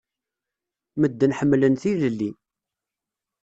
Medden ḥemmlen tilelli.